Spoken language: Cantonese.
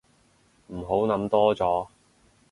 唔好諗多咗